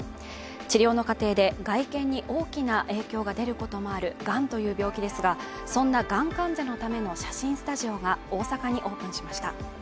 治療の家庭で外見に大きな影響も出ることもあるがんという病気ですが、そんながん患者のための写真スタジオが大阪にオープンしました。